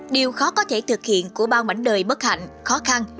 điều khó có thể thực hiện của bao mảnh đời bất hạnh khó khăn